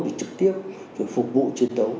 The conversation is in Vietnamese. thì trực tiếp phục vụ chiến đấu